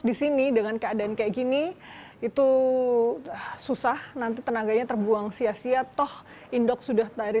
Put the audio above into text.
disini dengan keadaan kayak gini itu susah nanti tenaganya terbuang sia sia toh indok sudah dari